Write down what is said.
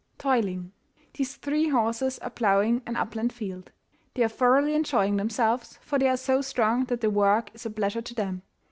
TOILING. These three horses are ploughing an upland field. They are thoroughly enjoying themselves, for they are so strong that their work is a pleasure to them.